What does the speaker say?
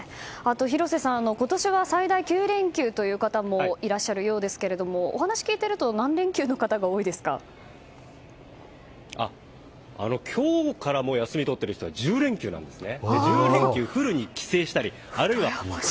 廣瀬さん、今年は最大９連休の方もいらっしゃるようですがお話聞いてると今日から休みを取ってる人は１０連休なんですね。